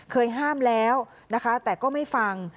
ห้ามแล้วนะคะแต่ก็ไม่ฟัง